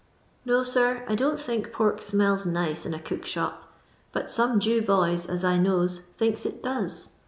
No, sir, I don't think pork smells nice m a cook shop, but some Jew Iwys, as I knows, thinks it does.